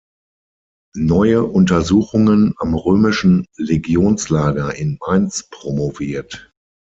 Neue Untersuchungen am römischen Legionslager in Mainz" promoviert.